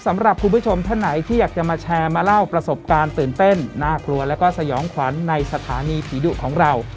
สำหรับคุณผู้ชมท่านไหนที่อยากจะมาแชร์มาเล่าประสบการณ์ตื่นเต้นน่ากลัวแล้วก็สยองขวัญในสถานีผีดุของเรา